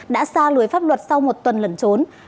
đã xa lưới pháp luật sau một tuần lẩn trốn